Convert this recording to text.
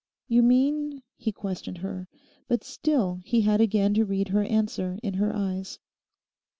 'You mean?' he questioned her; but still he had again to read her answer in her eyes.